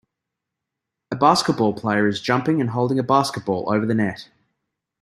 A basketball player is jumping and holding a basketball over the net.